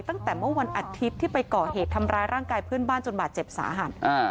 ตั้งแต่เมื่อวันอาทิตย์ที่ไปก่อเหตุทำร้ายร่างกายเพื่อนบ้านจนบาดเจ็บสาหัส